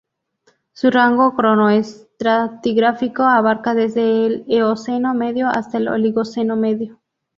Su rango cronoestratigráfico abarca desde el Eoceno medio hasta la Oligoceno medio.